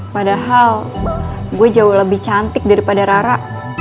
padahal gue jauh lebih cantik daripada rara